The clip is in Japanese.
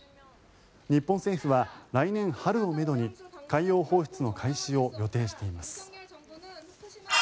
日本政府は来年春をめどに海洋放出の開始を予定しています。